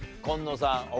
紺野さん